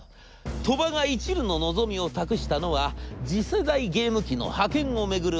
鳥羽がいちるの望みを託したのは次世代ゲーム機の覇権を巡る争い。